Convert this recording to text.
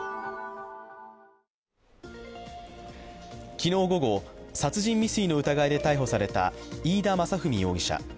昨日午後、殺人未遂の疑いで逮捕された飯田雅史容疑者。